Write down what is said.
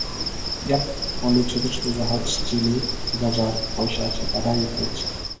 Yacht বলে ছোট ছোট জাহাজ ছেলে-বুড়ো যার পয়সা আছে, তারই একটা আছে।